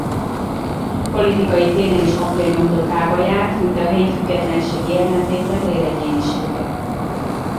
Politikai téren is apja nyomdokában járt mint a helyi függetlenségi ellenzék vezéregyénisége.